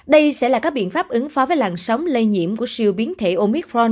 đây sẽ là các biện pháp ứng phó với làn sóng lây nhiễm của siêu biến thể omicron